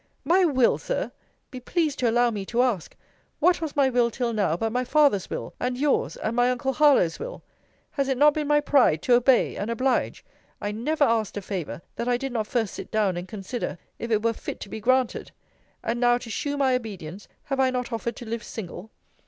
My will, Sir! be pleased to allow me to ask, what was my will till now, but my father's will, and yours and my uncle Harlowe's will? Has it not been my pride to obey and oblige? I never asked a favour, that I did not first sit down and consider, if it were fit to be granted. And now, to shew my obedience, have I not offered to live single?